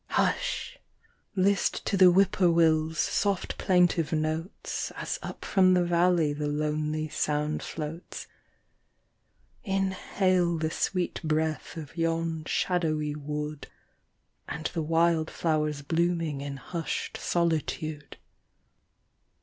Hush! list to the Whip poor will's soft plaintive notes, As up from the valley the lonely sound floats, Inhale the sweet breath of yon shadowy wood And the wild flowers blooming in hushed solitude.